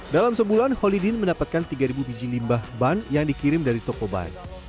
dalam sebulan holidin mendapatkan tiga biji limbah ban yang dikirim dari toko ban